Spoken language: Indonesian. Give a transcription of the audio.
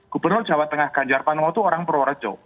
gubernur jawa tengah ganjar panuwa itu orang pro reco